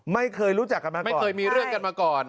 ไม่เคยรู้จักกันไหมไม่เคยมีเรื่องกันมาก่อน